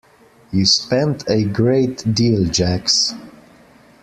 You spend a great deal, Jax.